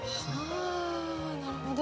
はあなるほど。